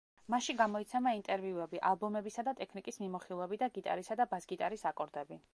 მასში გამოიცემა ინტერვიუები, ალბომებისა და ტექნიკის მიმოხილვები და გიტარისა და ბას გიტარის აკორდები.